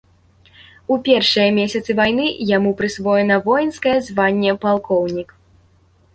У першыя месяцы вайны яму прысвоена воінскае званне палкоўнік.